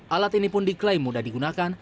alat ini pun diklaim mudah digunakan